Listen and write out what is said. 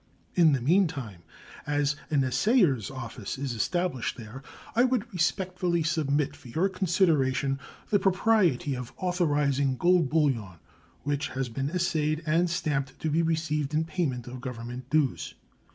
In the meantime, as an assayer's office is established there, I would respectfully submit for your consideration the propriety of authorizing gold bullion which has been assayed and stamped to be received in payment of Government dues.